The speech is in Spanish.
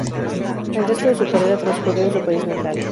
El resto de su carrera transcurrió en su país natal.